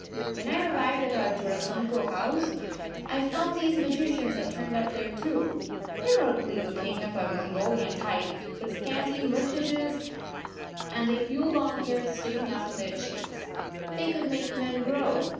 When I arrived at our Jorasanko house, I found these magicians had turned up there too. They were ugly looking, of a Mongolian type, with scanty moustaches and a few long hairs sticking out of their chins. They could make men grow.